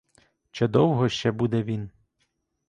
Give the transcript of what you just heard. Чи довго ще буде він?